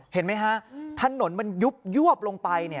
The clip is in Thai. เห็นไหมฮะถนนมันยุบยวบลงไป